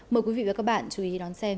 mời quý vị và các bạn chú ý đón xem